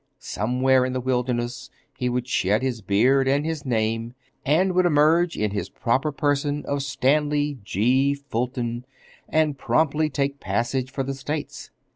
Somewhere in the wilderness he would shed his beard and his name, and would emerge in his proper person of Stanley G. Fulton and promptly take passage for the States.